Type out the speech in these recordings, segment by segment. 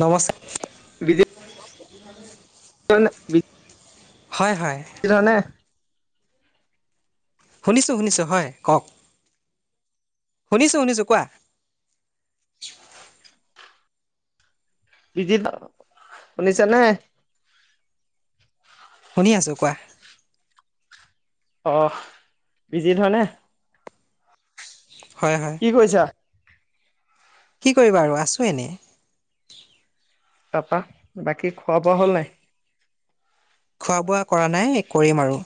নমস্ বিজিত [unintelligible] হয় [unintelligible] শুনিছোঁ শুনিছোঁ হয় কওক। শুনিছোঁ শুনিছোঁ কোৱা। বিজিত শুনিছা নে? শুনি আছো কোৱা। অহ, বিজিত হয়নেহ? হয় হয় কি কৰিছা? কি কৰিবা আৰু আছোঁ এনে। তাৰপা বাকী খোৱা-বোৱা হ'ল নাই? খোৱা-বোৱা কৰা নাই কৰিম আৰু।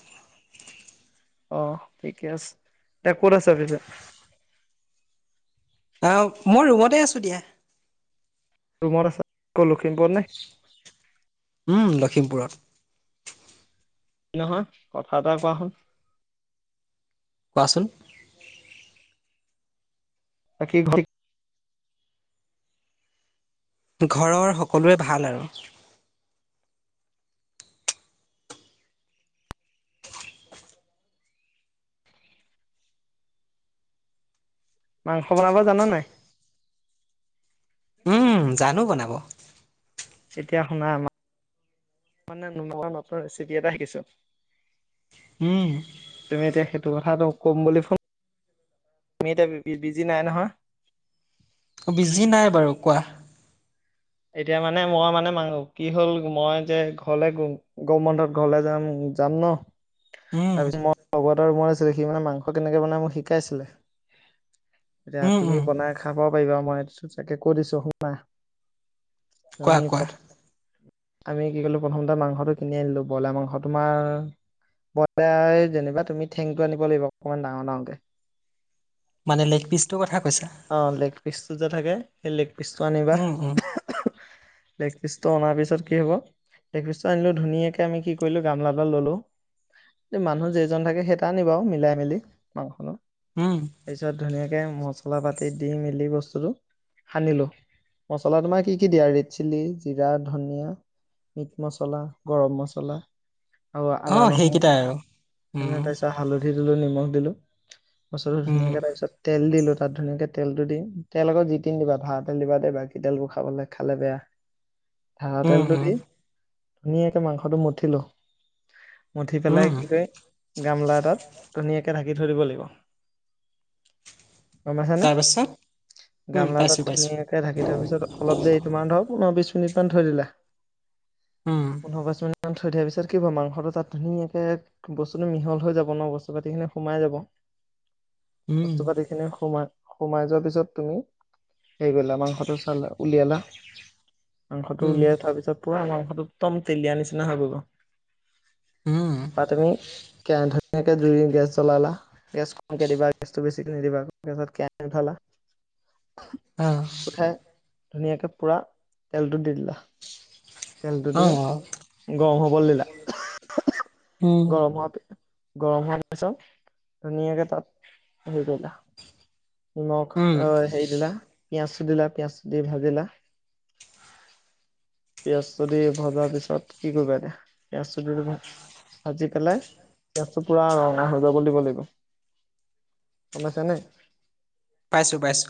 অহ, ঠিকে আছে। তিয়া ক'ত আছা পিছে? আ মই ৰুমতে আছো দিয়া। ৰুমত আছা, ক'ত লখিমপুৰত নেহ? উম, লখিমপুৰত। নহয়। কথা এটা কোৱা হোন। কোৱাচোন। বাকি ঘৰ ঘৰৰ সকলোৰে ভাল আৰু। মাংস বনাব জান' নাই? উম, জানো বনাব। এতিয়া শুনা আমা মানে নোৱাৰা নতুন ৰেচিপি এটা শিকিছোঁ। উম। তোৰ কথাটো ক'ম বুলি ফোন, আমি এতিয়া বি বিজি নাই নহয়। বিজি নাই বাৰু কোৱা। এতিয়া মানে মই মানে মাঙ কি হ'ল মই যে ঘৰলে গৰম বন্ধত ঘৰলে যাম। যাম নহ? উম তাৰপিছত মই লগৰ এটাৰ বনাইছি সি মানে মাংস কেনেকে বনাই মোক শিকাইছিলে। এতিয়া উম উম তুমি বনাই খাব পাৰিবা, মই চি-চাকে কৈ দিছো শুনাহ। কোৱা মি কোৱা পথ আমি কি কলো প্ৰথমতে মাংসটো কিনি আনিলো, বইলাৰ মাংস তোমাৰ বলাই যেনিবা তুমি ঠেংটো আনিব লাগিব অকমান ডাঙৰ-ডাঙৰকে। মানে লেগপিচটো কথা কৈছা অ', লেগ পিচটো যে থাকে, সেই লেগ পিচটো আনিবা। লেগপিচটো অনাৰ পিছত কি হ'ব? লেগপিচটো আনিলোঁ ধুনীয়াকে আমি কি কৰিলোঁ গামলাডাল ল'লোঁ। মানুহ যেইজন থাকে সেইটা আনিবা আৰু মিলাই-মেলি মাংসটো। তাৰ পিছত ধুনীয়াকে মচলা-পাতি দি মেলি বস্তুটো সানিলো, মচলা তোমাৰ কি কি দিয়া ৰেড চিলি, জিৰা, ধনিয়া মিট মচলা, গৰম মচলা। আৰু আদা, অঁ নহৰু, সেইকেইটাই আৰু এনে উম তাৰ পিছত হালধি দিলো, নিমখ দিলো। বস্তুটো উম ধুনীয়াকে তাৰপিছত তেল দিলো তাত ধুনীয়াকে তেলতো দিম, তেল আকৌ যিতি নিদিবা ভাল তেল দিবা দে, বাকী তেলবোৰ খাবলৈ খালে বেয়া। ভাল উম তেলটো উম দি ধুনীয়াকে মাংসটো মঠিলো। মঠি পেলাই উম কি কৰে গামলা এটাত ধুনিয়াকে থাক ধৰিব লাগিব। গম পাইছানে তাৰপাছত? উম গামলা পাইছো এটাত পাইছো ধুনীয়াকে ঢাকি থোৱাৰ পিছত অলপ দেৰি তিমানধৰ পোন্ধৰ বিশ তিনিটমান থৈ দিলে, উম পোন্ধৰ-বিশ মিনি ইমান থৈ দিয়া পিছত কি পাম, মাংসটো তাত ধুনীয়াকে বস্তুটো মিহল হৈ যাব ন' বস্তু পাতিখিনি সোমাই যাব। [inaudible] উম। মা সোমাই যোৱা পিছত তুমি সেই কৰিলা মাংসটো চালা উলিয়ালাহ। মাংসটো উম উলিয়াই থোৱা পিছত পুৰা মাংসটো তম তেলীয়াৰ নিচিনা হৈ ব'ব উম তা তুমি কেনধৰ নে এটা জুই গেছ জলালা গেছ কমকে গেছতটো বেছি [unintelligible] অ', ধুনীয়াকে পুৰা তেলটো দি দিলা। তেলটো অ দি গৰম হ'বলৈ দিলা উম গৰম হোৱাৰ পি গৰম হোৱাৰ পিছত ধুনীয়াকে তাত হেৰি কৰিবা। নিমখ উম আহ হেৰি দিলা পিয়াজটো দিলা পিয়াজ দি ভাজিলা। পিয়াজ দি ভজাৰ পিছত কি কৰিবা এতিয়া পিয়াজ দি। ভাজি পেলাই পিয়াজটো পুৰা ৰঙা হৈ যাব দিব লাগিব। সমাইছেনে। পাইছোঁ পাইছোঁ।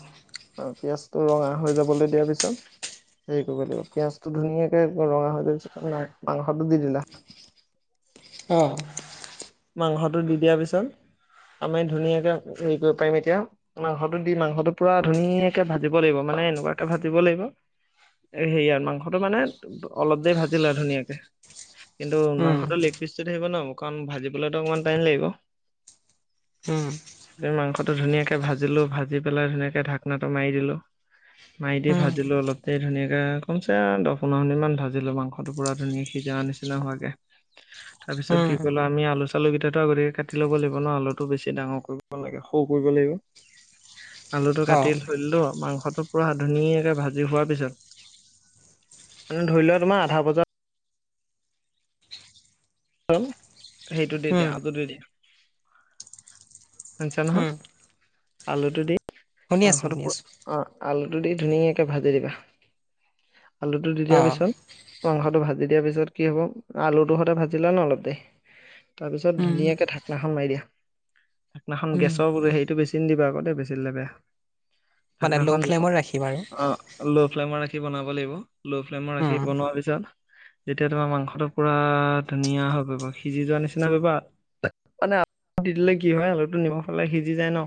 তোৰ ৰঙা হৈ যাবলৈ দিয়া পিছত। সে লাগিব পিয়াজটো ধুনীয়াকে ৰঙা হৈ যোৱা পিছত মাংসটো দি দিলা। অহ। মাংসটো দি দিয়াৰ পিছত। আমি ধুনীয়াকে হেৰি কৰিব পাৰিম এতিয়া মাংসটো দি মাংসটো পুৰা ধুনীয়াকে ভাজিব লাগিব মানে। মানে এনেকুৱাকে ভাজিব লাগিব। সেইয়া মাংসটো মানে অলপ দেৰি ভাজি লোৱা ধুনীয়াকে। কিন্তু উম মাংসটো লেকপিছটো থাকিব নহ কাৰণ ভাজিবলৈতো অকমান টাইম লাগিব। উম মাংসটো ধুনীয়াকে ভাজিলোঁ ভাজি পেলাই ধুনীয়াকে ঢাকনাটো মাৰি দিলোঁ। মাৰি দি উম ভাজিলোঁ অলপ দেৰি ধুনীয়াকে কমচে দহ পোন্ধৰ মিনিট মান ভাজিলোঁ মাংসটো পুৰা ধুনীয়া। যা নিচিনা হোৱাকে তাৰপিছত উম কি ক'লো আমি আলোচ। আলুকেইটাটো আগতীয়াকে কাটি ল'ব লাগিব নহ আলুটো বেছি ডাঙৰ কৰিব লাগে সৰু কৰিব লাগিব। আলুটো অ কাটি থৈ দিলো মাং। টোৰ পৰা ধুনীয়াকে ভাজি হোৱাৰ পিছত। মানে ধৰি লোৱা তোমাৰ আধা ভজাত। হ'ল সেইটোতে দিয়া উম আলুটো দিয়া। [unintelligible] নহয় উম আলুটো দি শুনি আছো মাংসটো শুনি আছো অ আলু। টো দি ধুনীয়াকে ভাজি দিবা আলুটো দি দিয়া অ পিছত মাংসটো ভাজি। দিয়াৰ পিছত কি হ'ব আলুটো সতে ভাজি লোৱা নহ অলপ দেৰি। তাৰপিছত উম ধুনীয়াকে ঢাকনাখন মাৰি দিয়া। সেইনাখন উম গেছৰ হেৰিটো বেচি নিদিবা আকৌ দেই বেছি দিলে বেয়া। মানে ঢাকনাখন ল' ফ্লেমত ৰাখিম আৰু অ ল'ফ্লেমৰ ৰাখি। ৰাখি বনাব লাগিব ল' ফ্লেমৰ ৰাখি উম বনোৱাৰ পিছত। যেতিয়া তোমাৰ মাংসটো পুৰা ধুনীয়া হৈ পৰিব সিজি যোৱা নিচিনা। [unintelligible] দি দিলে কি হয় আলুটো নিমখ পালে সিজি যায় নহ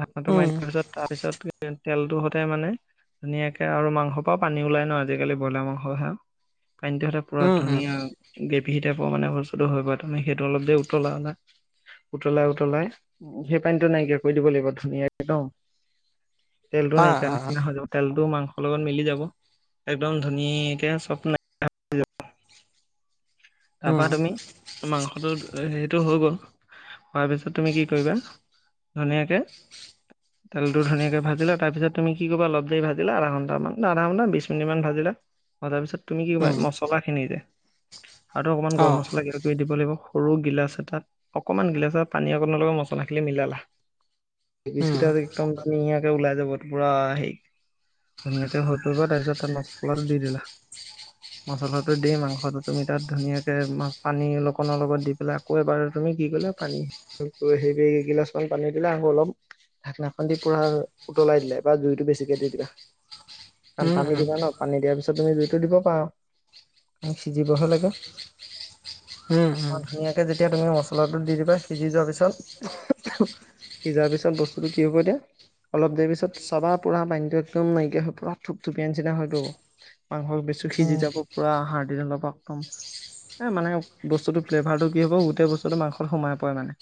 ঢাকনটো মাৰি উম দিয়াৰ পিছত তাৰপিছত। তেলটো সদায় মানে। ধুনীয়াকে আৰু মাংসৰ পৰাও পানী ওলাই নহ আজিকালি ব্ৰইলাৰ মাংসহে। [unintelligible] পুৰা উম উম ধুনীয়া। মিহি টাইপৰ মানে বস্তুটো হয়গৈ তাৰে সেইটো অলপ দেৰি উতলা। উতলাই উতলাই উম সেই পানীটো নাইকিয়া কৰি দিব লাগিব ধুনীয়াকে নহ। তেলটো অ নাইকিয়া অ নিচিনা হৈ যাব তেলটো মাংস। লগত মিলি যাব একদম ধুনীয়াকে স্বপ্ন। [unintelligible] তাৰপৰা উম তুমি মাংসটো হেৰিটো হৈ গ'ল। হোৱাৰ পিছত তুমি কি কৰিবা ধুনীয়াকে। তেলটো ধুনীয়াকে ভাজিলা তাৰপিছত তুমি কি কৰিবা অলপ দেৰি ভাজিলা আধা ঘণ্টামান আধা ঘণ্টা বিশ মিনিট মান ভাজিলা। অ তাৰপিছত তুমি কি কৰিবা উম মছলা খিনি দে। আৰু অকণমান অ গৰম মছলা [unintelligible] কৰি দিব লাগিব সৰু গিলাচ এটাত। অকণমান গিলাচত পানী অকণমান লগাই মচলাখিনি মিলালা। [unintelligible] উম কেইটা একদম ধুনীয়াকে ওলাই যাব পুৰা হেই। ধুনীয়াকে হৈ পৰিব তাৰপিছত তাৰ মাছলাটো দি দিলা। মছলাটো দ মাংসটো তুমি তাত ধুনীয়াকে মা পানী লোকনৰ লগত দি পেলাই আকৌ এবাৰ। তুমি কি গ'লো পানী সেই এগিলাচ মান পানী দিলে আকৌ অলপ ঢাকনাখন দি পুৰা উতলাই দিলে বা জুইতটো বেছিকে দি দিবা। কাৰণ উম পানী উম দিবা ন পানী দিয়াৰ পিছত তুমি জুইতটো দিব পাৰা। ম সিজিবহে লাগে উম উম উম অ, ধুনীয়াকে যেতিয়া তুমি মচল চলাটো দি দিবা সিজি যোৱাৰ পিছত সিজাৰ পিছত বস্তুটো কি হ'ব দিয়া। অলপ দেৰি পিছত চাবা পুৰা পানীতটো একদম নাইকিয়া হৈ পুৰা থুপথুপীয়া নিচিনা হয়তো মাংসেছি। সিজি যাব পুৰা আহাৰ দিন অলপ একদম। এই মানে বস্তুটোৰ ফ্লেভাৰটো কি হ'ব গোটেই বস্তুটো মাংসত সোমাই পৰে মানে।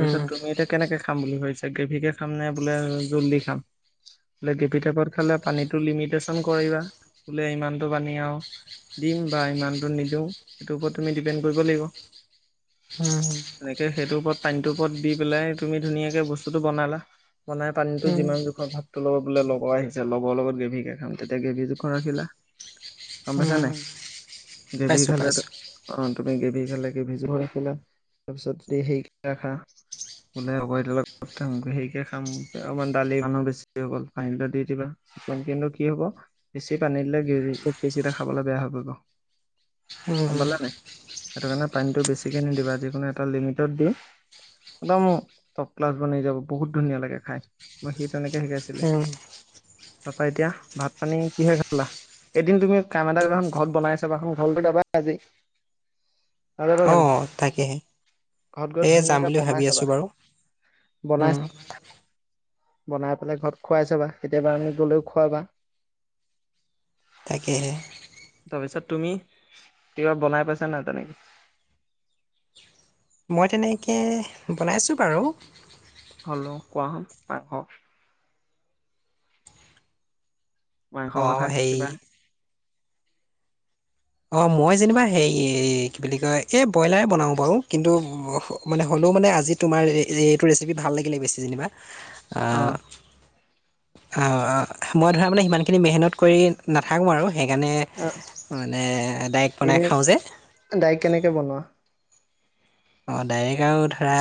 উম তুমি এতিয়া কেনেকে খাম বুলি ভাবিছা গ্ৰেভিকে খাম নে বোলে জলদি খাম। বোলে কেপি টেপত খালে পানীতটো লিমিটচন কৰিবা বোলে ইমানতটো পানী আৰু। দিম বা ইমানটো নিদিও সেইটোৰ ওপৰত তুমি ডিপেণ্ড কৰিব লাগিব। হম, এনেকে সেইটোৰ ওপৰত পানীটোৰ ওপৰত দি পেলাই তুমি ধুনীয়াকে বস্তুটো বনালা। বনাই উম পানীতো উম যিমান জোখৰ ভাতটো লব বোলে লগৰ আহিছে লগৰ লগত গ্ৰভী কেে খাম তেতিয়া গ্ৰেভী জোখ ৰাখিলা। [inaudible] উম, গেভি পাইছো খালে পাইছো অ, তুমি গেভি খালে গ্ৰেভি জুল ৰাখিলা তাৰপিছত হেৰি ৰাখা ওলাই আ সেইকে খামাৰ দালি মানুহ বেছি হৈ গ'ল পানীটা দি দিবা। ন কিন্তু কি হব বেছি পানী দিলে গ বেচিটা খাবলৈ বেয়া হৈ পৰিব উম সমালে নাই সেইটো কাৰণে পানীতটো বেছিকে নিদিবা যিকোনো এটা লিমিটত দি। একদম টপ ক্লাছ বনাই যাব বহুত ধুনীয়া লাগে খাই মই স তেনেকে শিকাইছিলে উম তাৰাপা এতিয়া ভাত পানী কিহে খালা। এদিন তুমি কামেটা কাখন ঘৰত বনাইছাবাখন ঘৰটো যাবা আজি ত, যাব অ জানো তাকেহে ঘৰত গৈ এ যাম ধুনীয়াকে বুলি বনাই ভাবি আছো চাবা। বাৰু বনাই উম বনাই পেলাই ঘৰত খুৱাই চাবা কেতিয়াবা আমি গলেও খোৱাবা। তাকে তাৰপিছত তুমি কিবা বনাই পাইছা নাই তেনেকে মই তেনেকৈ বনাইছো বাৰু। হ্লো কোৱা হ পাৰ [unintelligible] মাংসৰ অ কথা হেৰি কিবা অ', মই যেনিবা হে, কি বুলি কয় এই ব্ৰইলাৰে বনাওঁ বাৰু কিন্তু মানে মানে আজি তোমাৰ এইটো ৰেচিপি ভাল লাগিলে বেছি যেনিবা। অ - অ মই ধৰা মানে সিমান খিনি মেহনত কৰি নাথাকো আৰু। সেইকাৰণে অ মানে ডাইৰেক্ট এনে বনাই খাও যে। ডাইৰেক্ট কেনেকে বনোৱা অ, ডাইৰেক্ট আৰু ধৰা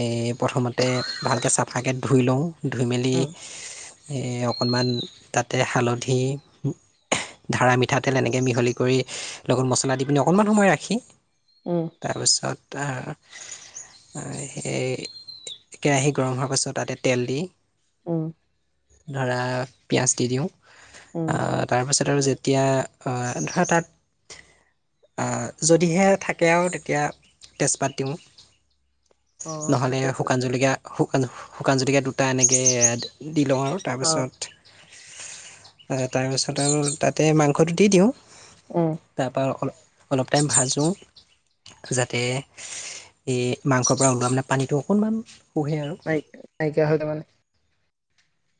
এই প্ৰথমতে ভালকৈ চাফাকৈ ধুই লও। ধুই মেলি উম অকণমান তাতে হালধি ধৰা মিঠাতেল এনেকৈ মিহলি কৰি লগত মছলা দি পিনি অকণমান সময় ৰাখি। উম তাৰপিছত আহ সেই। কেৰাহী গৰম হোৱাৰ পাছত তাতে তেল দি। উম, ধৰা পিয়াজ দি দিও উম তাৰপিছত আৰু। তেতিয়া ধৰা তাত যদিহে থাকে আৰু তেতিয়া তেজপাত দিও অ নহ'লে ঠিকে আছে শুকান জলকীয় গোলান। শুকান - শুকান জতিকীয়া দুটা এনেকৈ দি লও আৰু অ তাৰপিছত। তাৰপিছত আৰু তাতে মাংসটো দি দিও। উম তাৰপ - অলপ টাইম ভাজো তাতে এই মাংসৰ পৰা ওলোৱা মানে পানীটো অকণমান শুহে আৰু নাই নাইকিয়া হয় তাৰ মানে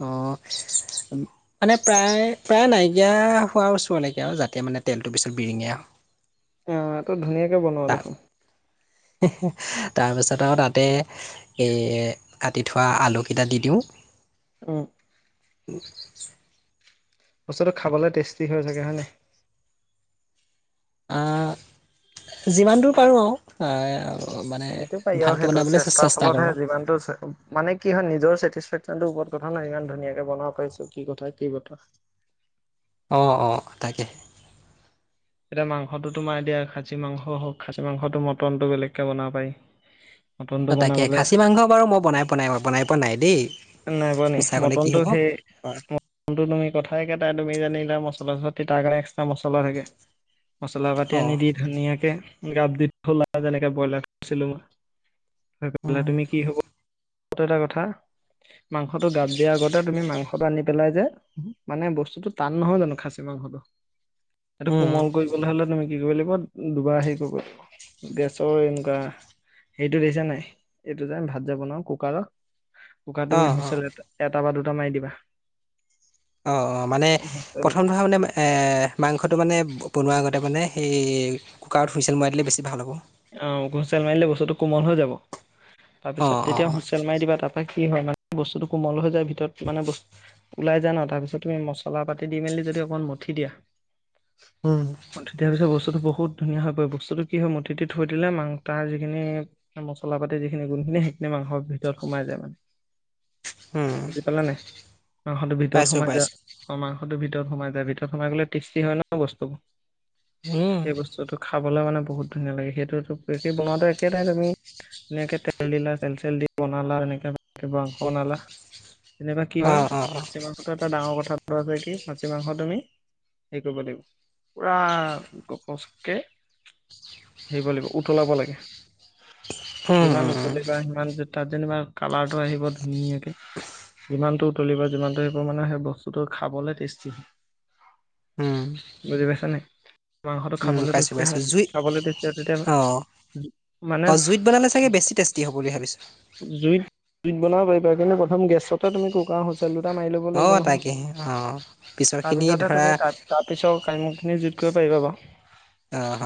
অ মানে প্ৰায় প্ৰায় নাইকিয়া হোৱাৰ ওচৰলৈকে আৰু যাতে মানে তেলটোৰ পিছত বিৰিঙিয়া অহ অহ আকৌ ধুনীয়াকে বনোৱা দেখোন [inaudible] হে হো তাৰপিছত আৰু তাতে এই কাটি থোৱা আলুকেইটা দি দিওঁ অ উ বস্তুটো খাবলে টেষ্টি হৈ থাকে হয় নাই অহ যিমান দূৰ পাৰো আওঁ- সিটো পাই আৰু সেইটো চেষ্টাৰ ফলতহে কৰো যিমানটো মানে কি হয় নিজৰ চেটি [unintelligible] টো ওপৰত কথা নাই ইমান ধুনীয়াকে বনাব পাৰিছো কি কথা কি বথা অ অ তাকে [inaudible] এতিয়া মাংসটো তোমাৰ দিয়া খাচী মাংস হওক খাচী মাংসতো মটনটো বেলেগকে বনাব পাৰি [unintelligible] অ তাকে বনাবলে খাচী মাংস বাৰু মই বনাই পনাই বনাই পোৱা নাই দেই নাই বোনি মিছা ক'লে কি মটনটো হ'ব সেই মটনটো তুমি কথাই কে তাই তুমি জানিলা মচলা যত তাৰ কাৰণে এক্সট্ৰা মছলা থাকে মছলা পাতি অ আনি দি ধুনীয়াকে গাপ দি থলা যেনেকে ব্ৰইলাৰ কৰিছিলো মই উম তুমি কি হব টো এটা কথা মাংসটো গাপ দিয়া আগতে তুমি মাংসটো আনি পেলাই যে মানে বস্তুতটো টান নহয় জানো খাচী মাংসটো এইটো উম কোমল কৰিবলৈ হলে তুমি কি কৰিব লাগিব দুবাৰ হেৰি কৰিব লাগি গেছৰ এনেকুৱা সেইটো দিছানে নাই এইটো যে ভাত যে বনাওঁ কুকাৰৰ কুকাৰট অ তুমি অ হুচেল এটা বা দুটা মাৰি দিবা অ অ মানে হুইচেল প্ৰথমটোথা মানে মাংসটো মানে বনোৱা আগতে ত মানে সেই কুকাৰত শুইচেল মৱাই দিলে বেছি ভাল হ'ব অ হুইচেল মাৰিলে বস্তুটো কোমল হৈ যাব অ তাৰপিছত অ তেতিয়া অ হুইচেল মাৰি দিবা তাপা- কি হয় মানে বস্তুতটো কোমল হৈ যায় ভিতৰত মানে্ ব ওলাই যায় ন তাৰপিছত তুমি মছলা পাতি দি মেলি যদি অকণ মঠি দিয়া উম তেতিয়া পিছে বস্তুতটো বহুত ধুনীয়া হয় পৰিব বস্তুটো কি হয় মতি থৈ দিলে মাং তাৰ যিখিনি মছলা পাতি যিখিনি গুণখিনি সেইখিনি মাংসৰ ভিতৰত সোমাই যায় মানে উম বুজি পালা নে মাংসটো ভিতৰত পাইছো সোমাই পাইছো যোৱা মাংসটো ভিতৰতূ ভিতৰত সোমাই যায় ভিতৰত সোমাই গলে টেষ্টি হয় ন বস্তুবোৰ উম সেই বস্তুটো খা খাবলৈ মানে বহুত ধুনীয়া লাগে সেইটো বনোৱাটো একেটাই তুমি এনেকে তেল দিলা তেল চেল দি বনালা এনেকে বনালা যেনেকুৱা কি অ হয় অ অ খাচী মাংসটো এটা ডাঙৰ কথাটো আছে কি খাচী মাংস তুমি হেৰি কৰিব লাগিব পুৰা গপচকে [inaudible] হেব লাগিব উতলাব লাগে উম যিমান উম উম উতলিবা সিমান তাত যেনিবা কালাৰটো আহিব ধুনীয়াকে যিমানটো উতলিব যিমানটো আহিব মানে সেই বস্তুটো খাবলে টেষ্টি হয় উম বুজি পাইছা নাই মাংসটো উম খাবলৈ পাইছো চেষ্টি পাইছো হয় জুই খাবলৈ তেতিয়া অ মানে অ জুইত বনালে চাগে বেছি টেষ্টি হ'ব বুলি ভাবিছো জুইত জুই বনাব পাৰিবা কি প্ৰথম গেছতে তুমি কুকাৰ [unintelligible] টা মাৰি লব অ লাগিব তাকেহে অ নহয় পিছৰ খিনি তাৰপিছতহে ধৰা তুমি তাৰপিছত কাহিনি খিনি কৰিব পাৰিবা বাৰু অ হ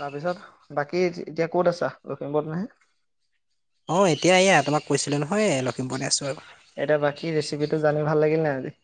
তাৰপিছত বাকী এতিয়া ক'ত আছা লখিমপুৰত নে অ এতিয়া এয়া তোমাক কৈছিলো নহয় লক্ষী এতিয়া বাকী ৰেচিপিটো জানি ভাল লাগিল নে আজি